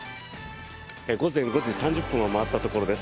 午前５時３０分を回ったところです。